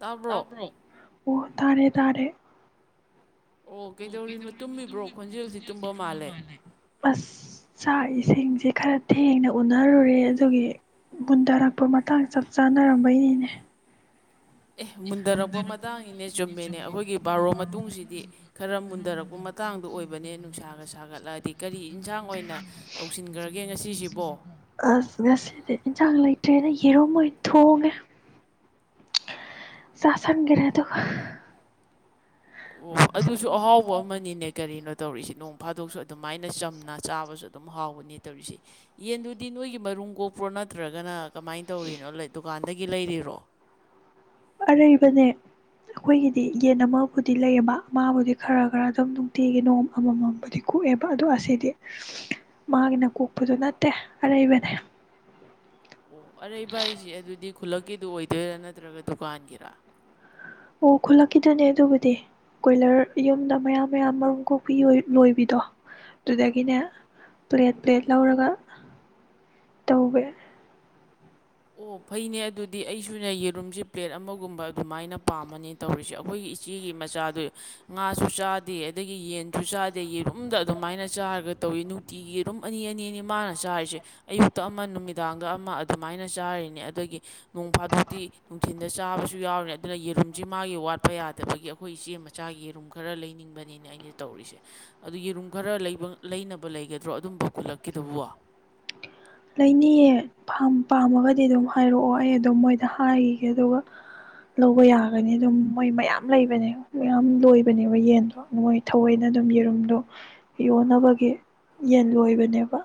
ꯇꯥꯕ꯭ꯔꯣ? ꯑꯣ ꯇꯥꯔꯦ - ꯇꯥꯔꯦ꯫ ꯑꯣ ꯀꯩꯗꯧꯔꯤꯅꯣ ꯇꯨꯝꯃꯤꯕ꯭ꯔꯣ ꯈꯣꯟꯖꯦꯜꯁꯤ ꯇꯨꯝꯕ ꯃꯥꯜꯂꯦ [unintelligible] ꯑꯁ ꯆꯥꯛ ꯏꯁꯤꯡꯁꯦ ꯈꯔ ꯊꯦꯡꯅ ꯎꯅꯔꯨꯔꯦ ꯑꯗꯨꯒꯤ ꯃꯨꯟ ꯗꯔꯛꯄ ꯃꯇꯥꯡ ꯆꯞ ꯆꯥꯅꯔꯝꯕꯩꯅꯤꯅꯦ꯫ ꯑꯦ ꯃꯨꯟꯗꯔꯛꯄ ꯃꯇꯥꯡꯅꯤꯅꯦ ꯆꯨꯝꯃꯦꯅꯦ ꯑꯩꯈꯣꯏꯒꯤ ꯕꯥꯔꯣ ꯃꯇꯨꯡꯁꯤꯗꯤ ꯈꯔ ꯃꯨꯟꯊꯔꯛꯄ ꯃꯇꯥꯡꯗ ꯑꯣꯏꯕ ꯅꯦ ꯅꯨꯡꯁꯥꯒ ꯁꯥꯒꯠꯂꯛꯑꯗꯤ ꯀꯔꯤ ꯏꯟꯁꯥꯡ ꯑꯣꯏꯅ ꯇꯧꯁꯤꯟꯈ꯭ꯔꯒꯦ ꯉꯁꯤꯁꯤꯕꯣ ꯑꯁ ꯉꯁꯤꯗꯤ ꯏꯅꯖꯥꯡ ꯂꯩ ꯇꯔ꯭ꯦꯅ ꯌꯦꯔꯨꯝ ꯑꯣꯏ ꯊꯣꯉ꯫ ꯆꯥꯁꯪꯒꯤꯔꯦ ꯗꯨꯒ ꯑꯣ ꯑꯗꯨꯁꯨ ꯑꯍꯥꯎꯕ ꯑꯃꯅꯤꯅꯦ ꯀꯔꯤꯅꯣ ꯇꯧꯔꯤꯁꯦ ꯅꯣꯡ ꯐꯥꯗꯣꯛꯁꯨ ꯑꯗꯨꯃꯥꯏꯅ ꯆꯝꯅ ꯆꯥꯕꯁꯨ ꯑꯗꯨꯝ ꯍꯥꯎꯕꯅꯦ ꯇꯧꯔꯤꯁꯦ ꯌꯦꯟꯗꯨꯗꯤ ꯅꯣꯏꯒꯤ ꯃꯔꯨꯝ ꯀꯣꯛꯄ꯭ꯔꯣ ꯅꯠꯇ꯭ꯔꯒꯅ ꯀꯃꯥꯏꯅ ꯇꯧꯔꯤꯅꯣ ꯗꯨꯀꯥꯟꯗꯒꯤ ꯒꯤ ꯂꯩꯔꯤꯔꯣ ꯑꯔꯩꯕꯅꯦ ꯑꯩꯈꯣꯏꯒꯤꯗꯤ ꯌꯦꯟ ꯑꯃꯕꯨꯗꯤ ꯂꯩꯌꯦꯕ ꯃꯥꯕꯨꯗꯤ ꯈꯔ ꯈꯔ ꯑꯗꯨꯝ ꯅꯨꯡꯇꯤꯒꯤ ꯅꯣꯡ ꯑꯃꯃꯝꯕꯨꯗꯤ ꯀꯣꯛꯑꯦꯕ ꯑꯗꯣ ꯑꯁꯤꯗꯤ ꯃꯥꯒꯤꯅ ꯀꯣꯛꯄꯗꯨ ꯅꯠꯇꯦ ꯑꯔꯩꯕꯅꯦ ꯑꯣ ꯑꯔꯩ ꯚꯥꯏꯁꯤꯦ ꯑꯗꯨꯗꯤ ꯈꯨꯜꯂꯛꯀꯤꯗꯨ ꯑꯣꯏꯗꯣꯏꯔꯥ ꯅꯠꯇ꯭ꯔꯒ ꯗꯨꯀꯥꯟꯒꯤꯔꯥ ꯑꯣ ꯈꯨꯂꯛꯀꯤꯗꯅꯦ ꯑꯗꯨꯕꯨꯗꯤ ꯀꯣꯏꯂꯔ ꯌꯨꯝꯗ ꯃꯌꯥꯝ ꯃꯌꯥꯝ ꯃꯔꯨꯝ ꯀꯣꯛꯄꯤ ꯂꯣꯏꯕꯤꯗꯣ ꯑꯗꯨꯗꯒꯤꯅꯦ ꯄ꯭ꯂꯦꯠ ꯄ꯭ꯂꯦꯠ ꯂꯧꯔꯒ ꯇꯧꯋꯦ ꯑꯣ ꯐꯩꯅꯦ ꯑꯗꯨꯗꯤ ꯑꯩꯁꯨꯅ ꯌꯦꯔꯨꯝꯁꯦ ꯄ꯭ꯂꯦꯠ ꯑꯃꯒꯨꯝꯕ ꯑꯗꯨꯃꯥꯏꯅ ꯄꯥꯝꯃꯅꯤ ꯇꯧꯔꯤꯁꯦ ꯑꯩꯈꯣꯏꯒꯤ ꯏꯆꯦꯒꯤ ꯃꯆꯥꯗꯨ ꯉꯥꯁꯨ ꯆꯥꯗꯦ ꯑꯗꯒꯤ ꯌꯦꯟꯁꯨ ꯆꯥꯗꯦ ꯌꯦꯔꯨꯝꯗ ꯑꯗꯨꯃꯥꯏꯅ ꯆꯥꯔꯒ ꯇꯧꯏꯤ ꯅꯨꯡꯇꯤꯒꯤ ꯌꯦꯔꯨꯝ ꯑꯅꯤ ꯑꯅꯤꯅꯤ ꯃꯥꯅ ꯆꯥꯔꯤꯁꯦ ꯑꯌꯨꯛꯇ ꯑꯃ ꯅꯨꯃꯤꯗꯥꯡꯗ ꯑꯃ ꯑꯗꯨꯃꯥꯏꯅ ꯅ ꯆꯥꯔꯤꯅꯦ ꯑꯗꯒꯤ ꯅꯣꯡ ꯐꯥꯗꯣꯛꯇꯤ ꯅꯨꯡꯊꯤꯟꯜꯗ ꯆꯥꯕꯁꯨ ꯌꯥꯎꯔꯤꯅꯦ ꯑꯗꯨꯅ ꯌꯦꯔꯨꯝꯁꯤ ꯃꯥꯒꯤ ꯋꯥꯠꯄ ꯌꯥꯗꯕꯒꯤ ꯑꯩꯈꯣꯏ ꯏꯆꯦ ꯃꯆꯥꯒꯤ ꯌꯦꯔꯨꯝ ꯈꯔ ꯂꯩꯅꯤꯡꯕꯅꯤꯅꯦ ꯑꯩꯅ ꯇꯧꯔꯤꯁꯦ ꯑꯗꯨ ꯌꯦꯔꯨꯝ ꯈꯔ ꯂꯩꯅꯕ ꯂꯩꯒꯗ꯭ꯔꯣ ꯑꯗꯨꯝꯕ ꯀꯜꯂꯛꯀꯗꯕ ꯂꯩꯅꯤꯌꯦ ꯐꯥꯝ ꯄꯥꯝꯃꯒꯗꯤ ꯑꯗꯨꯝ ꯍꯥꯏꯔꯛꯑꯣ ꯑꯩ ꯑꯗꯨꯝ ꯃꯣꯏꯗ ꯍꯥꯏꯈꯤꯒꯦ ꯑꯗꯨꯒ ꯂꯧꯕ ꯌꯥꯒꯅꯤ ꯑꯗꯨꯝ ꯃꯣꯏ ꯃꯌꯥꯝ ꯂꯩꯕꯅꯦ ꯃꯌꯥꯝ ꯂꯣꯏꯕꯅꯦꯕ ꯌꯦꯟꯗꯣ ꯃꯣꯏ ꯊꯑꯣꯏꯅ ꯑꯗꯨꯝ ꯌꯦꯔꯨꯝꯗꯣ ꯌꯣꯟꯅꯕꯒꯤ ꯌꯦꯟ ꯂꯣꯏꯕꯅꯦꯕ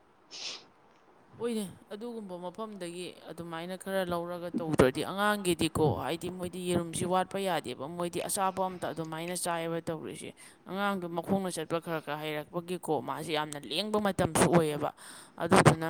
[unintelligible] ꯑꯣꯏꯅꯦ ꯑꯗꯨꯒꯨꯝꯕ ꯃꯐꯝꯗꯒꯤ ꯑꯗꯨꯃꯥꯏꯅ ꯈꯔ ꯂꯧꯔꯒ ꯇꯧꯗ꯭ꯔꯗꯤ ꯑꯉꯥꯡ ꯒꯤꯗꯤꯀꯣ ꯍꯥꯏꯗꯤ ꯃꯣꯏꯗꯤ ꯌꯦꯔꯨꯝꯁꯤ ꯋꯥꯠꯄ ꯌꯥꯗꯦꯕ ꯃꯣꯏꯗꯤ ꯑꯆꯥꯄ ꯑꯝꯇ ꯑꯗꯨꯃꯥꯏꯅ ꯆꯥꯏꯔ ꯇꯧꯔꯤꯁꯦ ꯑꯉꯥꯡꯗꯣ ꯃꯈꯣꯡꯅ ꯆꯠꯄ ꯈꯔ ꯈꯔ ꯍꯩꯔꯛꯄꯒꯤꯀꯣ ꯃꯥꯁꯦ ꯌꯥꯝꯅ ꯂꯦꯡꯕ ꯃꯇꯝꯁꯨ ꯑꯣꯏꯌꯦꯕ ꯑꯗꯨꯗꯨꯅ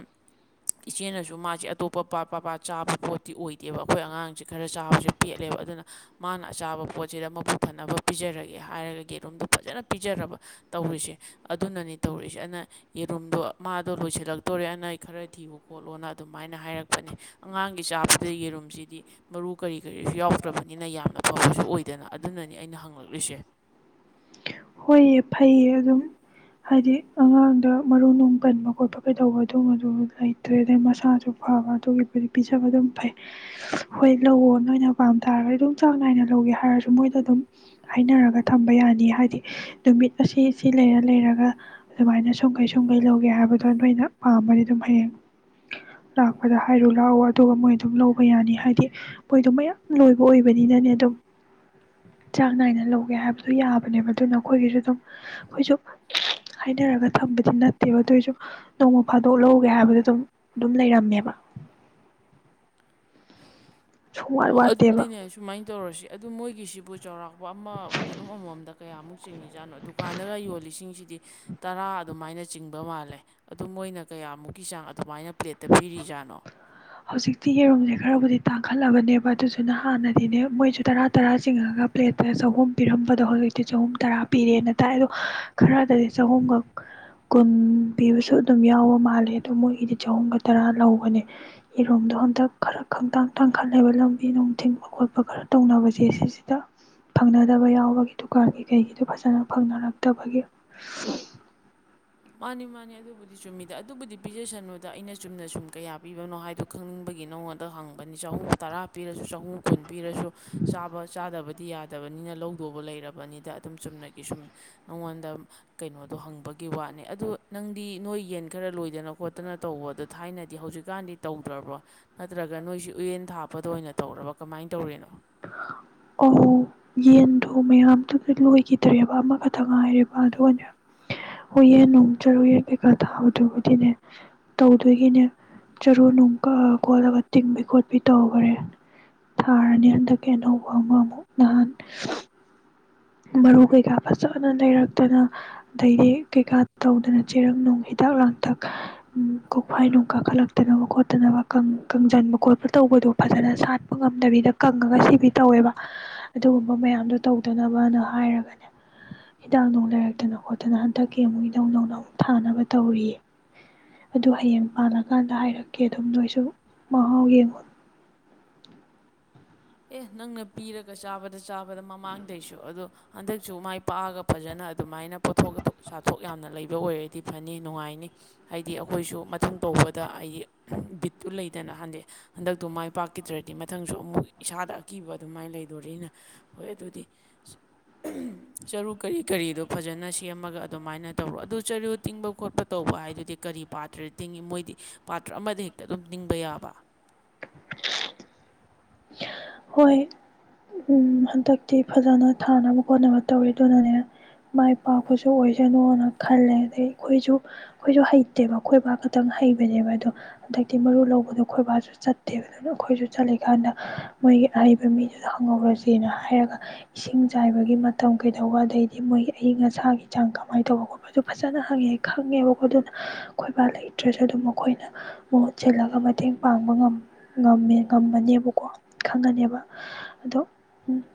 ꯏꯆꯦꯅꯁꯨ ꯃꯥꯁꯦ ꯑꯇꯣꯞꯄ ꯄꯄꯥ ꯆꯥꯕ ꯄꯣꯠꯇꯤ ꯑꯣꯏꯗꯦꯕ ꯑꯩꯈꯣꯏ ꯑꯉꯥꯡꯁꯦ ꯈꯔ ꯆꯥꯕꯁꯨꯦ ꯄꯦꯠꯂꯦꯕ ꯑꯗꯨꯅ ꯃꯥꯅ ꯑꯆꯥꯕ ꯄꯣꯠꯁꯤꯗ ꯃꯄꯨꯊꯅꯕ ꯄꯤꯖꯔꯒꯦ ꯍꯥꯏꯔꯒ ꯌꯦꯔꯨꯝꯗꯣ ꯐꯖꯅ ꯄꯤꯖꯔꯕ ꯇꯧꯔꯤꯁꯦ ꯑꯗꯨꯅꯅꯤ ꯇꯧꯔꯤꯁꯦ ꯑꯅ ꯌꯦꯔꯨꯝꯗꯣ ꯃꯥꯗꯣ ꯂꯣꯏꯁꯤꯜꯂꯛꯇꯣꯔꯦ ꯑꯅ ꯈꯔ ꯊꯤꯌꯨ ꯈꯣꯠꯂꯣꯅ ꯑꯗꯨꯃꯥꯏꯅ ꯍꯥꯏꯔꯛꯄꯅꯦ ꯑꯉꯥꯡꯒꯤ ꯆꯥꯕꯗ ꯌꯦꯔꯨꯝꯁꯤꯗꯤ ꯃꯔꯨ ꯀꯔꯤ ꯀꯔꯤꯁꯨ ꯌꯥꯎꯗ꯭ꯔꯕꯅꯤꯅ ꯌꯥꯝꯅ ꯐꯕꯁꯨ ꯑꯣꯏꯗꯅ ꯑꯗꯨꯅꯅꯤ ꯑꯩꯅ ꯍꯪꯂꯛꯂꯤꯁꯦ ꯍꯣꯏꯌꯦ ꯐꯩꯌꯦ ꯑꯗꯨꯝ ꯍꯥꯏꯗꯤ ꯑꯉꯥꯡꯗ ꯃꯔꯨ ꯅꯨꯡ ꯀꯟꯕ ꯈꯣꯠꯄ ꯀꯩꯗꯧꯕ ꯑꯗꯨꯕ ꯑꯗꯨ ꯂꯩꯇ꯭ꯔꯦ ꯑꯗꯩ ꯃꯁꯥꯁꯨ ꯐꯕ ꯑꯗꯨꯒꯤꯕꯨꯗꯤ ꯄꯤꯖꯕ ꯑꯗꯨꯝ ꯐꯩ ꯍꯣꯏ ꯂꯧꯋꯣ ꯅꯣꯏꯅ ꯄꯥꯝ ꯇꯥꯔꯒꯗꯤ ꯑꯗꯨꯝ ꯆꯥꯡ ꯅꯥꯏꯅ ꯂꯧꯒꯦ ꯍꯥꯏꯔꯁꯨ ꯃꯣꯏꯗ ꯑꯗꯨꯝ ꯍꯥꯏꯅꯔꯒ ꯊꯝꯕ ꯌꯥꯅꯤ ꯍꯥꯏꯗꯤ ꯅꯨꯃꯤꯠ ꯑꯁꯤ ꯁꯤ ꯂꯩꯔ ꯂꯩꯔꯒ ꯑꯗꯨꯃꯥꯏꯅ ꯁꯨꯡꯈꯩ ꯁꯨꯝꯈꯩ ꯂꯧꯒꯦ ꯍꯥꯏꯕꯗꯣ ꯅꯣꯏꯅ ꯄꯥꯝꯕꯗꯤ ꯑꯗꯨꯝ ꯍꯌꯦꯡ ꯂꯥꯛꯄꯗ ꯍꯥꯏꯔꯨ ꯂꯥꯛꯑꯣ ꯑꯗꯨꯒ ꯃꯣꯏ ꯑꯗꯨꯝ ꯂꯧꯕ ꯌꯥꯅꯤ ꯍꯥꯏꯗꯤ ꯃꯣꯏꯗꯣ ꯃꯌꯥꯝ ꯂꯣꯏꯕ ꯑꯣꯏꯕꯅꯤꯅꯅꯦ ꯑꯗꯨꯝ ꯆꯥꯡ ꯅꯥꯏꯅ ꯂꯧꯒꯦ ꯍꯥꯏꯕꯗꯣ ꯌꯥꯕꯅꯦꯕ ꯑꯗꯨꯅ ꯑꯩꯈꯣꯏꯒꯤꯁꯨ ꯑꯗꯨꯝ ꯑꯩꯈꯣꯏꯁꯨ ꯍꯥꯏꯅꯔꯒ ꯊꯝꯕꯗꯤ ꯅꯠꯇꯦꯕ ꯑꯗꯨꯑꯣꯏꯁꯨ ꯅꯣꯡꯃ ꯐꯥꯗꯣꯛ ꯂꯧꯒꯦ ꯍꯥꯏꯕꯗ ꯑꯗꯨꯝ ꯑꯗꯨꯝ ꯂꯩꯔꯝꯃꯦꯕ ꯁꯨꯡꯋꯥꯠ ꯑꯣ ꯋꯥꯠꯇꯦꯕ ꯑꯗꯨꯗꯤꯅꯦ ꯁꯨꯃꯥꯏꯅ ꯇꯧꯔꯁꯤ ꯑꯗꯨ ꯃꯣꯏꯒꯤꯁꯤꯕꯨ ꯆꯥꯎꯔꯥꯛꯄ ꯑꯃ ꯌꯦꯔꯨꯝ ꯑꯃꯃꯝꯗ ꯀꯌꯥꯃꯨꯛ ꯆꯤꯡꯉꯤꯖꯥꯠꯅꯣ ꯗꯨꯀꯥꯟꯗꯒ ꯌꯣꯜꯂꯤꯁꯤꯡꯁꯤꯗꯤ ꯇꯔꯥ ꯑꯗꯨꯃꯥꯏꯅ ꯆꯤꯡꯕ ꯃꯥꯜꯂꯦ ꯑꯗꯨ ꯃꯣꯏꯅ ꯀꯌꯥꯃꯨꯛꯀꯤ ꯆꯥꯡ ꯑꯗꯨꯃꯥꯏꯅ ꯄ꯭ꯂꯦꯠꯇ ꯄꯤꯔꯤꯖꯥꯠꯅꯣ ꯍꯧꯖꯤꯛꯇꯤ ꯌꯦꯔꯨꯝꯁꯦ ꯈꯔꯕꯨꯗꯤ ꯇꯥꯡꯈꯠꯂꯕꯅꯦꯕ ꯑꯗꯨꯁꯨꯅ ꯍꯥꯟꯅꯗꯤꯅꯦ ꯃꯣꯏꯁꯨ ꯇꯔꯥ ꯇꯔꯥ ꯆꯤꯡꯉꯒ ꯄ꯭ꯂꯦꯠꯇ ꯆꯍꯨꯝ ꯄꯤꯔꯝꯕꯗꯣ ꯍꯧꯖꯤꯛꯇꯤ ꯆꯍꯨꯝ ꯇꯔꯥ ꯄꯤꯔꯦꯅ ꯇꯥꯏ ꯑꯗꯣ ꯈꯔꯗꯗꯤ ꯆꯍꯨꯝꯒ ꯀꯨꯟ ꯄꯤꯕꯁꯨ ꯑꯗꯨꯝ ꯌꯥꯎꯕ ꯃꯥꯜꯂꯦ ꯑꯗꯣ ꯃꯣꯏꯒꯤꯗꯤ ꯆꯍꯨꯝꯒ ꯇꯔꯥ ꯂꯧꯕꯅꯦ ꯏꯔꯣꯝꯗꯣ ꯍꯟꯗꯛ ꯈꯔ ꯈꯪꯇꯥꯡ ꯇꯥꯡꯈꯠꯂꯦꯕ ꯂꯝꯕꯤ ꯅꯨꯡ ꯊꯤꯡꯕ ꯈꯣꯠꯄ ꯈꯔ ꯇꯧꯅꯕꯁꯦ ꯁꯤꯁꯤꯗ ꯐꯪꯅꯗꯕ ꯌꯥꯎꯕꯒꯤ ꯗꯨꯀꯥꯟꯒꯤ ꯀꯩꯒꯤꯗꯣ ꯐꯖꯅ ꯐꯪꯅꯔꯛꯇꯕꯒꯤ ꯃꯥꯅꯤ ꯃꯥꯅꯦ ꯑꯗꯨꯕꯨꯗꯤ ꯆꯨꯝꯃꯤꯗ ꯑꯗꯨꯕꯨꯗꯤ ꯄꯤꯖꯁꯅꯨꯗ ꯑꯩꯅ ꯆꯨꯝꯅ ꯁꯨꯝ ꯀꯌꯥ ꯄꯤꯕꯅꯣ ꯍꯥꯏꯗꯣ ꯈꯪꯅꯤꯡꯕꯒꯤ ꯅꯉꯣꯟꯗ ꯍꯪꯕꯅꯤ ꯆꯍꯨꯝ ꯇꯔꯥ ꯄꯤꯔꯁꯨ ꯆꯍꯨꯝ ꯈꯨꯟ ꯄꯤꯔꯁꯨ ꯆꯥꯕ ꯆꯥꯗꯕ ꯗꯤ ꯌꯥꯗꯕꯅꯤꯅ ꯂꯧꯗꯧꯕ ꯂꯩꯔꯕꯅꯤꯗ ꯑꯗꯨꯝ ꯆꯨꯝꯅꯒꯤ ꯁꯨꯝ ꯅꯉꯣꯟꯗ ꯀꯩꯅꯣꯗꯣ ꯍꯪꯕꯒꯤ ꯋꯥꯠꯅꯦ ꯑꯗꯨꯗ ꯅꯪꯗꯤ ꯅꯣꯏ ꯌꯦꯟ ꯈꯔ ꯂꯣꯏꯗꯅ ꯈꯣꯠꯇꯅ ꯇꯧꯕ ꯑꯗꯨꯣ ꯊꯥꯏꯅꯗꯤ ꯍꯧꯖꯤꯛꯀꯥꯟꯗꯤ ꯇꯧꯗ꯭ꯔꯕꯣ ꯅꯠꯇ꯭ꯔꯒ ꯅꯣꯏꯁꯤ ꯎꯌꯦꯟ ꯊꯥꯞꯄꯗ ꯑꯣꯏꯅ ꯇꯧꯔꯕ ꯀꯃꯥꯏꯅ ꯇꯧꯔꯤꯅꯣ ꯑ ꯌꯦꯟꯗꯣ ꯃꯌꯥꯝꯗꯨꯗ ꯂꯣꯏꯈꯤꯗ꯭ꯔꯦꯕ ꯑꯃꯈꯛꯇꯪ ꯉꯥꯏꯦꯔꯤꯕ ꯑꯗꯨꯒꯅꯦ ꯍꯣꯏ ꯌꯦꯟ ꯅꯨꯡ ꯆꯔꯨ ꯌꯦꯟ ꯀꯩꯀꯥ ꯊꯥꯕꯗꯨꯕꯨꯗꯤꯅꯦ ꯇꯧꯗꯣꯏꯒꯤꯅꯦ ꯆꯔꯨ ꯅꯨꯡ ꯀꯛꯑ ꯈꯣꯠꯂꯒ ꯇꯤꯡꯕꯤ ꯈꯣꯠꯄꯤ ꯇꯧꯈꯔꯦ ꯊꯥꯔꯅꯤ ꯍꯟꯗꯛ ꯀꯩꯅꯣ ꯋꯥ ꯑꯃꯃꯨꯛ ꯅꯍꯥꯟ ꯃꯔꯨ ꯀꯩꯀꯥ ꯐꯖꯅ ꯂꯩꯔꯛꯇꯅ ꯑꯗꯩꯗꯤ ꯀꯩꯀꯥ ꯇꯧꯗꯅ ꯆꯦꯔꯪ ꯅꯨꯡ ꯍꯤꯗꯥꯛ ꯂꯥꯡꯊꯛ ꯀꯣꯛꯐꯥꯏ ꯅꯨꯡ ꯀꯥꯈꯠꯂꯛꯇꯅꯕ ꯈꯣꯠꯇꯅꯕ ꯀꯪꯁꯤꯟꯕ ꯈꯣꯠꯄ ꯇꯧꯕꯗꯣ ꯐꯖꯅ ꯁꯥꯠꯄ ꯉꯝꯗꯕꯤꯗ ꯀꯪꯉꯒ ꯁꯤꯕꯤ ꯇꯧꯋꯦꯕ ꯑꯗꯨꯒꯨꯝꯕ ꯃꯌꯥꯝꯗꯣ ꯇꯧꯗꯅꯕ ꯕꯥꯅ ꯍꯥꯏꯔꯒꯅꯦ ꯍꯤꯗꯥꯛ ꯅꯨꯡ ꯂꯩꯔꯛꯇꯅ ꯈꯣꯠꯇꯅ ꯍꯟꯗꯛꯀꯤ ꯑꯃꯨꯛ ꯏꯙꯧ ꯅꯧꯅ ꯑꯃꯨꯛ ꯊꯥꯅꯕ ꯇꯧꯔꯤꯌꯦ ꯑꯗꯨ ꯍꯌꯦꯡ ꯄꯥꯜꯂꯀꯥꯟꯗ ꯍꯥꯏꯔꯛꯀꯦ ꯑꯗꯨꯝ ꯅꯣꯏꯁꯨ ꯃꯍꯥꯎ ꯌꯦꯡꯉꯨ ꯑꯦ ꯅꯪꯅ ꯄꯤꯔꯒ ꯆꯥꯕꯗ ꯆꯥꯕꯗ ꯃꯃꯥꯡꯗꯩꯁꯨ ꯑꯗꯣ ꯍꯟꯗꯛꯁꯨ ꯃꯥꯏ ꯄꯥꯛꯑꯒ ꯐꯖꯅ ꯑꯗꯨꯃꯥꯏꯅ ꯄꯣꯊꯣꯛ ꯆꯥꯊꯣꯛ ꯌꯥꯝꯅ ꯂꯩꯕ ꯑꯣꯏꯔꯗꯤ ꯐꯅꯤ ꯅꯨꯡꯉꯥꯏꯅꯤ ꯍꯥꯏꯗꯤ ꯑꯩꯈꯣꯏꯁꯨ ꯃꯊꯪ ꯇꯧꯕꯗ ꯍꯥꯏꯗꯤ ꯕꯤꯠꯇꯨ ꯂꯩꯗꯅ ꯍꯟꯗꯤ ꯍꯟꯗꯛꯇꯨ ꯃꯥꯏ ꯄꯥꯛꯈꯤꯗ꯭ꯔꯗꯤ ꯃꯊꯪꯁꯨ ꯑꯃꯨꯛ ꯏꯁꯥꯗ ꯑꯀꯤꯕ ꯑꯗꯨꯃꯥꯏꯅ ꯂꯩꯗꯣꯔꯤꯅ ꯍꯣꯏ ꯑꯗꯨꯗꯤ ꯆꯔꯨ ꯀꯔꯤ ꯀꯔꯤꯗꯣ ꯐꯖꯅ ꯁꯦꯝꯃꯒ ꯑꯗꯨꯃꯥꯏꯅ ꯇꯧꯔꯣ ꯑꯗꯨ ꯆꯔꯨ ꯇꯤꯡꯕ ꯈꯣꯠꯄ ꯇꯧꯕ ꯍꯥꯏꯗꯨꯗꯤ ꯀꯔꯤ ꯄꯥꯇ꯭ꯔ ꯇꯤꯡꯏꯤ ꯃꯣꯏꯗꯤ ꯄꯥꯇ꯭ꯔ ꯑꯃꯗ ꯍꯦꯛꯇ ꯑꯗꯨꯝ ꯇꯤꯡꯕ ꯌꯥꯕ ꯍꯣꯏ ꯎ ꯍꯟꯗꯛꯇꯤ ꯐꯖꯅ ꯊꯥꯅꯕ ꯈꯣꯠꯅꯕ ꯇꯧꯋꯦ ꯑꯗꯨꯅꯅꯦ ꯃꯥꯏ ꯄꯥꯛꯄꯁꯨ ꯑꯣꯏꯁꯅꯣꯅ ꯈꯜꯂꯦ ꯑꯗꯩ ꯑꯩꯈꯣꯏꯁꯨ ꯑꯩꯈꯣꯏꯁꯨ ꯍꯩꯇꯦꯕ ꯈꯣꯏꯕꯥꯛ ꯈꯛꯇꯪ ꯍꯩꯕꯅꯦꯕ ꯑꯗꯣ ꯍꯟꯗꯛꯇꯤ ꯃꯔꯨ ꯂꯧꯕꯗꯣ ꯈꯣꯏꯕꯥꯛꯁꯨ ꯆꯠꯇꯦꯕ ꯑꯗꯨꯅ ꯑꯩꯈꯣꯏꯁꯨ ꯆꯠꯂꯤꯀꯥꯟꯗ ꯃꯣꯏꯒꯤ ꯑꯍꯩꯕ ꯃꯤꯗꯨꯗ ꯍꯪꯍꯧꯔꯁꯦꯅ ꯍꯥꯏꯔꯒ ꯏꯁꯤꯡ ꯆꯥꯏꯕꯒꯤ ꯃꯇꯝ ꯀꯩꯗꯧꯕ ꯑꯗꯩꯗꯤ ꯃꯣꯏꯒꯤ ꯑꯏꯪ ꯑꯁꯥꯒꯤ ꯆꯥꯡ ꯀꯃꯥꯏꯅ ꯇꯧꯕ ꯈꯣꯠꯄ ꯑꯗꯨ ꯐꯖꯅ ꯍꯪꯉꯦ ꯈꯪꯉꯦꯕꯀꯣ ꯑꯗꯨꯅ ꯈꯣꯏꯕꯥ ꯂꯩꯇ꯭ꯔꯁꯨ ꯑꯗꯨꯝ ꯃꯈꯣꯏꯅ ꯃꯍꯨꯠ ꯁꯤꯜꯂꯒ ꯃꯇꯦꯡ ꯄꯥꯡꯕ ꯉꯝꯃꯦ ꯉꯝꯃꯅꯦꯕꯀꯣ ꯈꯪꯉꯅꯦꯕ ꯑꯗꯣ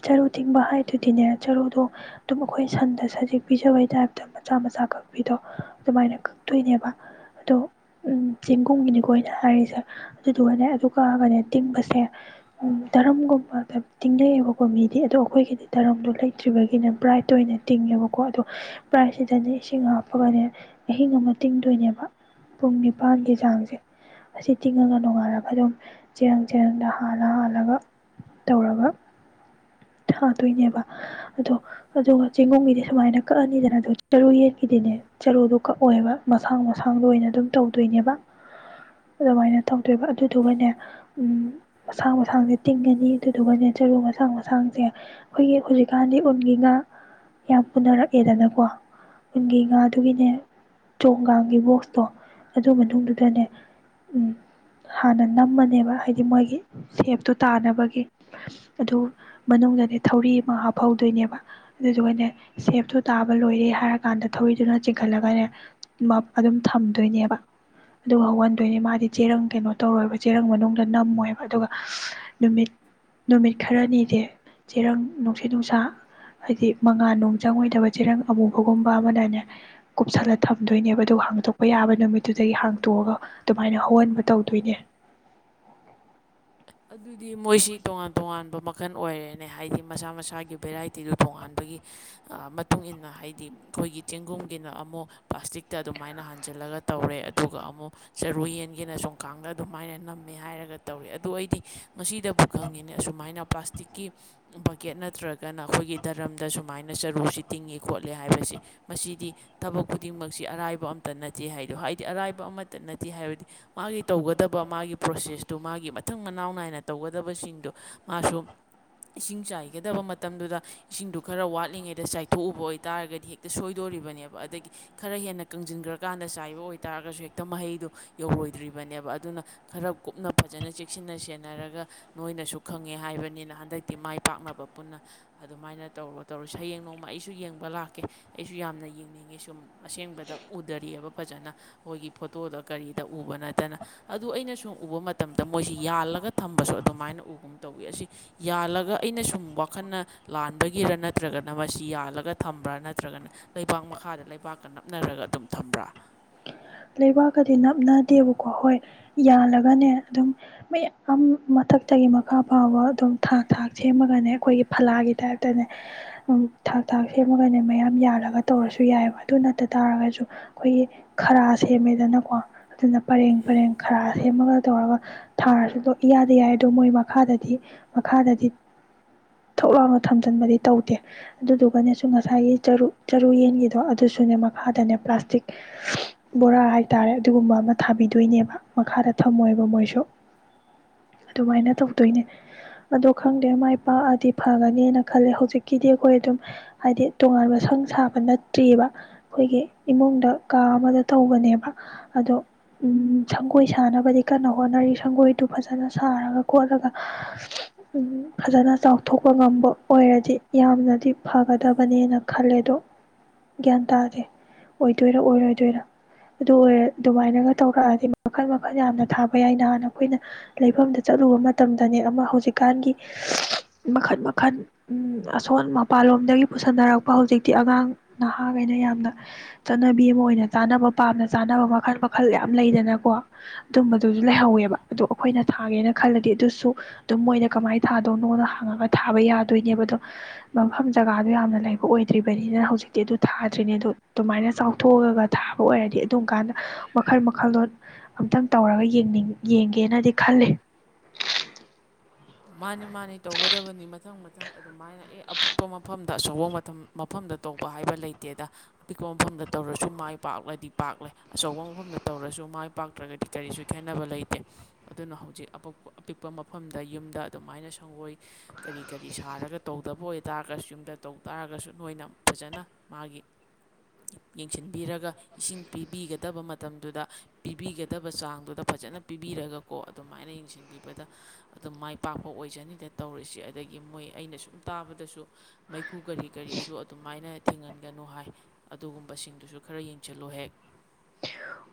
ꯆꯔꯨ ꯇꯤꯡꯕ ꯍꯥꯏꯗꯨꯗꯤꯅꯦ ꯆꯔꯨꯗꯣ ꯑꯗꯨꯝ ꯑꯩꯈꯣꯏ ꯁꯟꯗ ꯁꯖꯤꯦꯛ ꯄꯤꯖꯕꯩ ꯇꯥꯏꯞꯇ ꯃꯆꯥ ꯃꯆꯥ ꯀꯛꯄꯤꯗꯣ ꯑꯗꯨꯃꯥꯏꯅ ꯀꯛꯇꯣꯏꯅꯦꯕ ꯑꯗꯣ ꯆꯦꯡꯒꯨꯝꯒꯤꯅꯤꯀꯣꯅ ꯍꯥꯏꯔꯤꯁꯦ ꯑꯗꯨꯗꯨꯒꯅꯦ ꯑꯗꯨ ꯀꯛꯑꯒꯅꯦ ꯇꯤꯡꯕꯁꯦ ꯗꯔꯝꯒꯨꯝꯕꯗ ꯇꯤꯡꯅꯩꯌꯦꯕꯀꯣ ꯃꯤꯗꯤ ꯑꯗꯣ ꯑꯩꯈꯣꯏꯒꯤꯗꯤ ꯗꯔꯝꯗꯣ ꯂꯩꯇ꯭ꯔꯤꯕꯒꯤꯅ ꯕ꯭ꯔꯥꯏꯠ ꯑꯣꯏꯅ ꯇꯤꯡꯉꯦꯕꯀꯣ ꯑꯗꯣ ꯄꯕ꯭ꯔꯥꯏꯠꯁꯤꯗꯅꯦ ꯏꯁꯤꯡ ꯍꯥꯞꯄꯒꯅꯦ ꯑꯍꯤꯡ ꯑꯃ ꯇꯤꯡꯗꯣꯏꯅꯦꯕ ꯄꯨꯡ ꯅꯤꯄꯥꯥꯟꯒꯤ ꯆꯥꯡꯁꯦ ꯑꯁꯤ ꯇꯤꯡꯉꯒ ꯅꯣꯡꯉꯥꯏꯜꯔꯒ ꯑꯗꯨꯝ ꯆꯦꯔꯪ ꯆꯦꯔꯪꯗ ꯍ ꯍꯥꯥꯜꯂꯒ ꯇꯧꯔꯒ ꯊꯥꯗꯣꯏꯅꯦꯕ ꯑꯗꯣ ꯑꯗꯨꯒ ꯆꯦꯡꯒꯨꯝꯒꯤꯗꯤ ꯁꯨꯃꯥꯏꯅ ꯀꯛꯑꯅꯤꯗꯅ ꯑꯗꯣ ꯆꯔꯨ ꯌꯦꯟꯀꯤꯗꯤꯅꯦ ꯆꯔꯨꯗꯣ ꯀꯛꯑꯣꯕ ꯃꯁꯥꯡ ꯃꯁꯥꯡꯗ ꯑꯣꯏꯅ ꯑꯗꯨꯝ ꯇꯧꯗꯣꯏꯅꯦꯕ ꯑꯗꯨꯃꯥꯏꯅ ꯇꯧꯗꯣꯏꯕ ꯑꯗꯨꯗꯨꯒꯅꯦ ꯎ ꯃꯁꯥꯡ ꯃꯁꯥꯡꯁꯦ ꯇꯤꯡꯉꯅꯤ ꯑꯗꯨꯗꯨꯒꯅꯦ ꯆꯔꯨ ꯃꯁꯥꯡ ꯃꯁꯥꯡꯁꯦ ꯑꯩꯈꯣꯏꯒꯤ ꯍꯧꯖꯤꯛꯀꯥꯟꯗꯤ ꯎꯟꯒꯤ ꯉꯥ ꯌꯥꯝ ꯄꯨꯅꯔꯛꯑꯦꯗꯅꯀꯣ ꯎꯟꯒꯤ ꯉꯥꯗꯨꯒꯤꯅꯦ ꯆꯣꯡꯒꯒꯤ ꯕꯣꯛꯁꯇꯣ ꯑꯗꯨ ꯃꯅꯨꯡꯗꯨꯗꯅꯦ ꯍꯥꯟꯅ ꯅꯝꯃꯅꯦꯕ ꯍꯥꯏꯗꯤ ꯃꯣꯏꯒꯤ ꯁꯦꯞꯇꯣ ꯇꯥꯅꯕꯒꯤ ꯑꯗꯨ ꯃꯅꯨꯡꯗꯗꯤ ꯊꯧꯔꯤ ꯑꯃ ꯍꯥꯞꯍꯧꯗꯣꯏꯅꯦꯕ ꯑꯗꯨꯗꯨꯒꯅꯦ ꯁꯦꯞꯇꯨ ꯇꯥꯕ ꯂꯣꯏꯔꯦ ꯍꯥꯏꯔꯀꯥꯟꯗ ꯊꯧꯔꯤꯗꯨꯅ ꯆꯤꯡꯈꯠꯂꯒꯅꯦ ꯑꯗꯨꯝ ꯊꯝꯗꯣꯏꯅꯦꯕ ꯑꯗꯨ ꯍꯧꯍꯟꯗꯣꯏꯅꯦ ꯃꯥꯗꯤ ꯆꯦꯔꯪ ꯀꯩꯅꯣ ꯇꯧꯔꯣꯏꯕ ꯆꯦꯔꯪ ꯃꯅꯨꯡꯗ ꯅꯝꯃꯣꯏꯕ ꯑꯗꯨꯒ ꯅꯨꯃꯤꯠ ꯅꯨꯃꯤꯠ ꯈꯔꯅꯤꯗꯤ ꯆꯦꯔꯪ ꯅꯨꯡꯁꯤꯠ ꯅꯨꯡꯁꯥ ꯍꯥꯏꯗꯤ ꯃꯉꯥꯜ ꯅꯨꯡ ꯆꯪꯉꯣꯏꯗꯕ ꯆꯦꯔꯪ ꯑꯃꯨꯕꯒꯨꯝꯕ ꯑꯃꯅꯅꯦ ꯀꯨꯞꯁꯜꯂ ꯊꯝꯗꯣꯏꯅꯦꯕ ꯑꯗꯨꯒ ꯍꯥꯡꯇꯣꯛꯄ ꯌꯥꯕ ꯅꯨꯃꯤꯠꯇꯨꯗꯒꯤ ꯍꯥꯡꯇꯣꯛꯑꯒ ꯑꯗꯨꯃꯥꯏꯅ ꯍꯧꯍꯟꯕ ꯇꯧꯗꯣꯏꯅꯦ ꯑꯗꯨꯗꯤ ꯃꯣꯏꯁꯤ ꯇꯣꯉꯥꯟ ꯇꯣꯉꯥꯟꯕ ꯃꯈꯜ ꯑꯣꯏꯔꯦꯅꯦ ꯍꯥꯏꯗꯤ ꯃꯁꯥ ꯃꯁꯥꯒꯤ ꯚꯦꯔꯥꯏꯇꯤꯗꯨ ꯇꯣꯉꯥꯟꯕꯒꯤ ꯃꯇꯨꯡ ꯏ ꯃꯇꯨꯡꯏꯟꯅ ꯍꯥꯏꯗꯤ ꯑꯩꯈꯣꯏꯒꯤ ꯆꯦꯡꯒꯨꯝꯒꯤꯅ ꯑꯃꯨꯛ ꯄ꯭ꯂꯥꯁꯇꯤꯛꯇ ꯑꯗꯨꯃꯥꯏꯅ ꯍꯥꯟꯖꯜꯂꯒ ꯇꯧꯔꯦ ꯑꯗꯨꯒ ꯑꯃꯨꯛ ꯆꯔꯨ ꯌꯦꯟꯒꯤꯅ ꯆꯣꯡꯀꯥꯡꯗ ꯑꯗꯨꯃꯥꯏꯅ ꯅꯝꯃꯦ ꯍꯥꯏꯔꯒ ꯇꯧꯔꯦ ꯑꯗꯨ ꯑꯩꯗꯤ ꯉꯁꯤꯗꯕꯨ ꯈꯪꯉꯤꯅꯦ ꯑꯁꯨꯃꯥꯏꯅ ꯄ꯭ꯂꯥꯁꯇꯤꯛꯀꯤ ꯕꯛꯀꯦꯠ ꯅꯠꯇ꯭ꯔꯒꯅ ꯑꯩꯈꯣꯏꯒꯤ ꯗꯔꯝꯗ ꯁꯨꯃꯥꯏꯅ ꯆꯔꯨꯁꯤ ꯇꯤꯡꯉꯤ ꯈꯣꯠꯂꯤꯦ ꯍꯥꯏꯕꯁꯦ ꯃꯁꯤꯗꯤ ꯊꯕꯛ ꯈꯨꯗꯤꯡꯃꯛꯁꯤ ꯑꯔꯥꯏꯕ ꯑꯃꯇ ꯅꯠꯇꯦ ꯍꯥꯏꯗꯣ ꯍꯥꯏꯗꯤ ꯑꯔꯥꯏꯕ ꯑꯃꯇ ꯅꯠꯇꯦ ꯍꯥꯏꯕꯗꯤ ꯃꯥꯒꯤ ꯇꯧꯒꯗꯕ ꯃꯥꯒꯤ ꯄ꯭ꯔꯣꯁꯦꯁꯇꯨ ꯃꯥꯒꯤ ꯃꯊꯪ ꯃꯅꯥꯎ ꯅꯥꯏꯅ ꯇꯧꯒꯗꯕꯁꯤꯡꯗꯣ ꯃꯥꯁꯨ ꯏꯁꯤꯡ ꯆꯥꯏꯒꯗꯕ ꯃꯇꯝꯗꯨꯗ ꯏꯁꯤꯡꯗꯨ ꯈꯔ ꯋꯥꯠꯂꯤꯉꯩꯗ ꯆꯥꯏꯊꯣꯛꯎꯕ ꯑꯣꯏꯇꯥꯔꯒꯗꯤ ꯍꯦꯛꯇ ꯁꯣꯏꯗꯣꯔꯤꯕꯅꯦꯕ ꯑꯗꯒꯤ ꯈꯔ ꯍꯦꯟꯅ ꯀꯪꯁꯤꯟꯈ꯭ꯔꯀꯥꯟꯗ ꯆꯥꯏꯕ ꯑꯣꯏꯇꯥꯥꯔꯒꯁꯨ ꯍꯦꯛꯇ ꯃꯍꯩꯗꯨꯣ ꯌꯧꯔꯣꯏꯗ꯭ꯔꯤꯕꯅꯦꯕ ꯑꯗꯨꯅ ꯈꯔ ꯀꯨꯞꯅ ꯐꯖꯅ ꯆꯦꯛꯁꯤꯟꯅ ꯁꯦꯟꯅꯔꯒ ꯅꯣꯏꯅꯁꯨ ꯈꯪꯉꯦ ꯍꯥꯏꯕꯅꯤꯅ ꯍꯟꯗꯛꯇꯤ ꯃꯥꯏ ꯄꯥꯛꯅꯕ ꯄꯨꯟꯅ ꯑꯗꯨꯃꯥꯏꯅ ꯇꯧꯔꯣ ꯇꯧꯔꯣ ꯁꯌꯦꯡ ꯅꯣꯡꯃ ꯑꯩꯁꯨ ꯌꯦꯡꯕ ꯂꯥꯛꯀꯦ ꯑꯩꯁꯨ ꯌꯥꯝꯅ ꯌꯦꯡꯅꯤꯡꯉꯦ ꯁꯨꯝ ꯑꯁꯦꯡꯕꯗ ꯎꯗꯔꯤꯑꯕ ꯐꯖꯅ ꯑꯩꯈꯣꯏꯒꯤ ꯐꯣꯇꯣꯗ ꯀꯔꯤꯗ ꯎꯕ ꯅꯠꯇꯅ ꯑꯗꯨ ꯑꯩꯅ ꯁꯨꯝ ꯎꯕ ꯃꯇꯝꯗ ꯃꯣꯏꯁꯤ ꯌꯥꯜꯂꯒ ꯊꯝꯕꯁꯨ ꯑꯗꯨꯃꯥꯏꯅ ꯎꯒꯨꯝ ꯇꯧꯋꯤ ꯑꯁꯤ ꯌꯥꯜꯂꯒ ꯑꯩꯅ ꯁꯨꯝ ꯋꯥꯈꯜꯅ ꯂꯥꯟꯕꯒꯤꯔ ꯅꯠꯇ꯭ꯔꯒꯅ ꯃꯁꯤ ꯌꯥꯜꯂꯒ ꯊꯝꯕ꯭ꯔꯥ ꯅꯠꯇ꯭ꯔꯒꯅ ꯂꯩꯕꯥꯛ ꯃꯈꯥꯗ ꯂꯩꯕꯥꯛꯀ ꯅꯞꯅꯔꯒ ꯑꯗꯨꯝ ꯊꯝꯕ꯭ꯔꯥ ꯂꯩꯕꯥꯛꯀꯗꯤ ꯅꯞꯅꯗꯦꯕꯀꯣ ꯍꯣꯏ ꯌꯥꯜꯂꯒꯅꯦ ꯑꯗꯨꯝ ꯃꯌꯥꯝ ꯃꯊꯛꯇꯒꯤ ꯃꯈꯥ ꯐꯥꯕ ꯑꯗꯨꯝ ꯊꯥꯛ ꯊꯥꯛ ꯁꯦꯝꯃꯒꯅꯦ ꯑꯩꯈꯣꯏꯒꯤ ꯐꯂꯥꯒꯤ ꯇꯥꯏꯞꯇꯅꯦ ꯊꯥꯛ ꯊꯥꯛ ꯁꯦꯝꯃꯒꯅꯦ ꯃꯌꯥꯝ ꯌꯥꯜꯂꯒ ꯇꯧꯔꯁꯨ ꯌꯥꯏꯑꯕ ꯑꯗꯨ ꯅꯠꯇ ꯇꯥꯔꯒꯁꯨ ꯑꯩꯈꯣꯏꯒꯤ ꯈꯔ ꯁꯦꯝꯃꯦꯗꯅꯀꯣ ꯑꯗꯨꯅ ꯄꯔꯦꯡ ꯄꯔꯦꯡ ꯈꯔ ꯁꯦꯝꯃꯒ ꯇꯧꯔꯒ ꯊꯥꯔꯁꯨꯗꯣ ꯏꯌꯥꯗ ꯌꯥꯏ ꯑꯗꯣ ꯃꯣꯏ ꯃꯈꯥꯗꯗꯤ ꯃꯈꯥꯗꯗꯤ ꯊꯣ ꯂꯥꯎꯅ ꯊꯝꯖꯤꯟꯕꯗꯤ ꯇꯧꯗꯦ ꯑꯗꯨꯗꯨꯒꯅꯦꯁꯨ ꯉꯁꯥꯏꯒꯤ ꯆꯔꯨ ꯆꯔꯨ ꯌꯦꯟꯒꯤꯗꯣ ꯑꯗꯨꯁꯨꯅꯦ ꯃꯈꯥꯗꯅꯦ ꯄ꯭ꯂꯥꯁꯇꯤꯛ ꯕꯣꯔꯥ ꯍꯥꯏꯇꯥꯔꯦ ꯑꯗꯨꯒꯨꯝꯕ ꯑꯃ ꯊꯥꯕꯤꯗꯣꯏꯅꯦꯕ ꯃꯈꯥꯗ ꯊꯝꯃꯣꯏꯕ ꯃꯣꯏꯁꯨ ꯑꯗꯨꯃꯥꯏꯅ ꯇꯧꯗꯣꯏꯅꯦ ꯑꯗꯣ ꯈꯪꯗꯦ ꯃꯥꯏ ꯄꯥꯛꯑꯗꯤ ꯐꯒꯅꯦꯅ ꯈꯜꯂꯦ ꯍꯧꯖꯤꯛꯀꯤꯗꯤ ꯑꯩꯈꯣꯏ ꯑꯗꯨꯝ ꯍꯥꯏꯗꯤ ꯇꯣꯉꯥꯟꯕ ꯁꯪ ꯁꯥꯕ ꯅꯠꯇ꯭ꯔꯤꯑꯕ ꯑꯩꯈꯣꯏꯒꯤ ꯏꯃꯨꯡꯗ ꯀꯥ ꯑꯃꯗ ꯇꯧꯕꯅꯦꯕ ꯑꯗꯣ ꯁꯪꯒꯣꯏ ꯁꯥꯅꯕꯗꯤ ꯀꯟꯅ ꯍꯣꯠꯅꯔꯤ ꯁꯪꯒꯣꯏꯗꯨ ꯐꯖꯅ ꯁꯥꯔꯒ ꯈꯣꯠꯂꯒ ꯐꯖꯅ ꯆꯥꯎꯊꯣꯛꯄ ꯉꯝꯕ ꯑꯣꯏꯔꯗꯤ ꯌꯥꯝꯅꯗꯤ ꯐꯒꯗꯕꯅꯦꯅ ꯈꯜꯂꯦ ꯑꯗꯣ ꯒ꯭ꯌꯥꯟ ꯇꯥꯗꯦ ꯑꯣꯏꯗꯣꯏꯔ ꯑꯣꯏꯔꯣꯏꯗꯣꯏꯔ ꯑꯗꯨ ꯑꯣꯏꯔ ꯑꯗꯨꯃꯥꯏꯅꯒ ꯇꯧꯔꯛꯑꯗꯤ ꯃꯈꯜ ꯃꯈꯜ ꯌꯥꯝꯅ ꯊꯥꯕ ꯌꯥꯏ ꯅꯍꯥꯟꯅ ꯑꯩꯈꯣꯏꯅ ꯂꯩꯐꯝꯗ ꯆꯠꯂꯨꯕ ꯃꯇꯝꯗꯅꯦ ꯑꯃ ꯍꯧꯖꯤꯛꯀꯥꯟꯒꯤ ꯃꯈꯜ ꯃꯈꯜ ꯑꯁꯣꯟ ꯃꯄꯥꯟꯂꯣꯝꯗꯒꯤ ꯄꯨꯁꯟꯅꯔꯛꯄ ꯍꯧꯖꯤꯛꯇꯤ ꯑꯉꯥꯡ ꯅꯍꯥꯈꯩꯅ ꯌꯥꯝꯅ ꯆꯠꯅꯕꯤ ꯑꯃ ꯑꯣꯏꯅ ꯆꯥꯅꯕ ꯄꯥꯝꯅ ꯆꯥꯅꯕ ꯃꯈꯜ ꯃꯈꯜ ꯌꯥꯝ ꯂꯩꯗꯅꯀꯣ ꯑꯗꯨꯝꯕꯗꯨꯁꯨ ꯂꯩꯍꯧꯋꯦꯕ ꯑꯗꯣ ꯑꯩꯈꯣꯏꯅ ꯊꯥꯒꯦꯅ ꯈꯜꯂꯗꯤ ꯑꯗꯨꯁꯨ ꯑꯗꯨꯝ ꯃꯣꯏꯅ ꯀꯃꯥꯏꯅ ꯊꯥꯗꯧꯅꯣꯅ ꯍꯥꯡꯉꯒ ꯊꯥꯕ ꯌꯥꯗꯣꯏꯅꯦꯕ ꯑꯗꯣ ꯃꯐꯝ ꯖꯒꯥꯗꯣ ꯌꯥꯝꯅ ꯂꯩꯕ ꯑꯣꯏꯗ꯭ꯔꯤꯕꯅꯤꯅ ꯍꯧꯖꯤꯛꯇꯤ ꯑꯗꯨ ꯊꯥꯗ꯭ꯔꯤꯅꯦ ꯑꯗꯣ ꯑꯗꯨꯃꯥꯏꯅ ꯆꯥꯎꯊꯣꯛꯑꯒ ꯊꯥꯕ ꯑꯣꯏꯔꯗꯤ ꯑꯗꯨꯨꯝ ꯀꯥꯟꯗ ꯋꯥꯜ ꯃꯈꯜꯂꯣꯟ ꯑꯝꯇꯪ ꯇꯧꯔꯒꯅꯤꯡ ꯌꯦꯡꯒꯦꯅꯗꯤ ꯈꯜꯂꯤ ꯃꯥꯅꯤ ꯃꯥꯅꯤ ꯇꯧꯒꯗꯕꯅꯤ ꯃꯊꯪ ꯃꯊꯪ ꯑꯗꯨꯃꯥꯏꯅ ꯑꯦ ꯑꯄꯨꯞꯄ ꯃꯐꯝ ꯗ ꯑꯆꯧꯕ ꯃꯐꯝꯗ ꯇꯧꯕ ꯍꯥꯏꯕ ꯂꯩꯇꯦꯗ ꯑꯄꯤꯛꯄ ꯃꯐꯝꯗ ꯇꯧꯔꯁꯨ ꯃꯥꯏ ꯄꯥꯛꯂꯗꯤ ꯄꯥꯛꯂꯦ ꯑꯆꯧꯕ ꯃꯐꯝꯗ ꯇꯧꯔꯁꯨ ꯃꯥꯏ ꯄꯥꯛꯇ꯭ꯔꯒꯗꯤ ꯀꯔꯤꯁꯨ ꯈꯦꯠꯅꯕ ꯂꯩꯇꯦ ꯑꯗꯨꯅ ꯍꯧꯖꯤꯛ ꯑꯄꯤꯛꯄ ꯃꯐꯝꯗ ꯌꯨꯝꯗ ꯑꯗꯨꯃꯥꯏꯅ ꯁꯪꯒꯣꯏ ꯀꯔꯤ ꯀꯔꯤ ꯁꯥꯔꯒ ꯇꯧꯗꯕ ꯑꯣꯏꯇꯥꯔꯒꯁꯨ ꯌꯨꯝꯗ ꯇꯧ ꯇꯥꯔꯒꯁꯨ ꯅꯣꯏꯅ ꯐꯖꯅ ꯃꯥꯒꯤ ꯌꯦꯡꯁꯤꯟꯕꯤꯔꯒ ꯏꯁꯤꯡ ꯄꯤꯕꯤꯒꯗꯕ ꯃꯇꯝꯗꯨꯗ ꯄꯤꯕꯤꯒꯗꯕ ꯆꯥꯡꯗꯨꯗ ꯐꯖꯅ ꯄꯤꯕꯤꯔꯒꯀꯣ ꯑꯗꯨꯃꯥꯏꯅ ꯌꯦꯡꯁꯤꯟꯕꯤꯕꯗ ꯑꯗꯨꯝ ꯃꯥꯏ ꯄꯥꯛꯄ ꯑꯣꯏꯖꯅꯤꯗ ꯇꯧꯔꯤꯁꯤ ꯑꯗꯒꯤ ꯃꯣꯏ ꯑꯩꯅ ꯁꯨꯝ ꯇꯥꯕꯗꯁꯨ ꯃꯩꯈꯨ ꯀꯔꯤ ꯀꯔꯤꯁꯨ ꯑꯗꯨꯃꯥꯏꯅ ꯊꯦꯡꯍꯟꯒꯅꯨ ꯍꯥꯏ ꯑꯗꯨꯒꯨꯝꯕꯁꯤꯡꯗꯨꯁꯨ ꯈꯔ ꯌꯦꯡꯁꯤꯜꯂꯨ ꯍꯦꯛ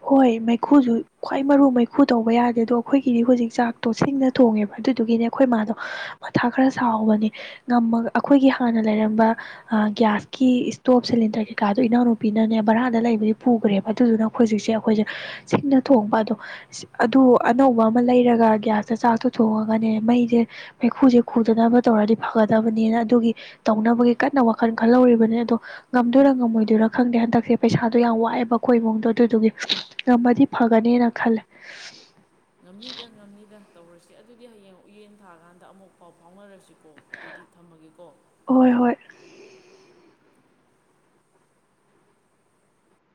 ꯍꯣꯏ ꯃꯩꯈꯨꯁꯨ ꯈ꯭ꯋꯥꯏ ꯃꯔꯨ ꯃꯩꯈꯨ ꯇꯧꯕ ꯌꯥꯗꯦ ꯑꯗꯣ ꯑꯩꯈꯣꯏꯒꯤꯗꯤ ꯍꯧꯖꯤꯛ ꯆꯥꯛꯇꯣ ꯁꯤꯡꯅ ꯊꯣꯡꯉꯦꯕ ꯑꯗꯨꯗꯨꯒꯤꯅꯦ ꯑꯩꯈꯣꯏ ꯃꯥꯗꯣ ꯃꯊꯥ ꯈꯔ ꯁꯥꯎꯕꯅꯦ ꯉꯝꯃꯒ ꯑꯩꯈꯣꯏꯒꯤ ꯍꯥꯟꯅ ꯂꯩꯔꯝꯕ ꯒ꯭ꯌꯥꯁꯀꯤ ꯏꯁꯇꯣꯞ ꯁꯤꯂꯤꯟꯗꯔ ꯀꯩꯀꯥꯗꯣ ꯏꯅꯥꯎꯅꯨꯄꯤꯅꯅꯦ ꯕꯔꯥꯗ ꯂꯩꯕꯗꯤ ꯄꯨꯈ꯭ꯔꯦꯕ ꯑꯗꯨꯗꯨꯅ ꯑꯩꯈꯣꯏ ꯍꯧꯖꯤꯛꯁꯦ ꯑꯩꯈꯣꯏꯁꯦ ꯁꯤꯡꯅ ꯊꯣꯡꯕ ꯑꯗꯣ ꯑꯗꯨ ꯑꯅꯧꯕ ꯑꯃ ꯂꯩꯔꯒ ꯒ꯭ꯌꯥꯁꯇ ꯆꯥꯛꯇꯣ ꯊꯣꯡꯉꯒꯅꯦ ꯃꯩꯁꯦ ꯃꯩꯈꯨꯁꯦ ꯈꯨꯗꯅꯕ ꯇꯧꯔꯗꯤ ꯐꯒꯗꯕꯅꯦꯅ ꯑꯗꯨꯒꯤ ꯇꯧꯅꯕꯒꯤ ꯀꯟꯅ ꯋꯥꯈꯜ ꯈꯜꯍꯧꯔꯤꯕꯅꯤ ꯑꯗꯣ ꯉꯝꯗꯣꯏꯔꯥ ꯉꯝꯃꯣꯏꯗꯣꯏꯔꯥ ꯈꯪꯗꯦ ꯍꯟꯗꯛꯁꯦ ꯄꯩꯁꯥꯗꯣ ꯌꯥꯝ ꯋꯥꯑꯦꯕ ꯑꯩꯈꯣꯏ ꯏꯃꯨꯡꯗꯣ ꯑꯗꯨꯗꯨꯒꯤ ꯉꯃꯗꯤ ꯐꯒꯅꯦꯅ ꯈꯜꯂꯦ ꯉꯝꯅꯤꯗ ꯉꯝꯅꯤꯗ ꯇꯧꯔꯁꯤ ꯑꯗꯨꯗꯤ ꯍꯌꯦꯡ ꯎꯌꯦꯟ ꯊꯥꯀꯥꯟꯗ ꯑꯃꯨꯛ ꯄꯥꯎ ꯐꯥꯎꯅꯔꯁꯤꯀꯣ ꯑꯗꯨꯗꯤ ꯊꯝꯃꯒꯦꯀꯣ ꯍꯣꯏ ꯍꯣꯏ